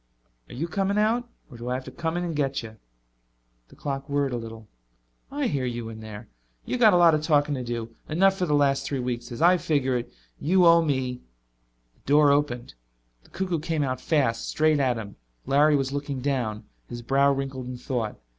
"Are you coming out? Or do I have to come in and get you?" The clock whirred a little. "I hear you in there. You've got a lot of talking to do, enough for the last three weeks. As I figure it, you owe me " The door opened. The cuckoo came out fast, straight at him. Larry was looking down, his brow wrinkled in thought.